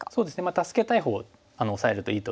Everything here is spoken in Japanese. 助けたいほうをオサえるといいと思いますけど。